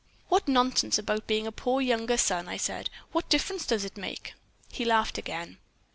"'What nonsense about being a poor younger son,' I said. 'What difference does it make?' "He laughed again.